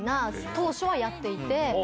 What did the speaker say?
当初はやっていて。